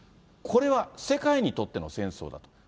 これは世界にとっての戦争だと。